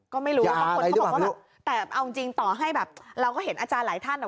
ก็ไม่รู้ยาอะไรรู้แต่เอาจริงต่อให้แบบเราก็เห็นอาจารย์หลายท่านอ่ะ